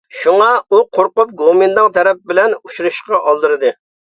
شۇڭا، ئۇ قورقۇپ گومىنداڭ تەرەپ بىلەن ئۇچرىشىشقا ئالدىرىدى.